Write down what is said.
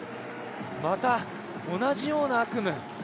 また同じような悪夢。